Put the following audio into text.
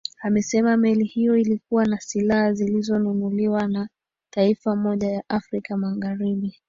amesema meli hiyo ilikuwa na silaha zilizonunuliwa na taifa moja ya afrika magharibi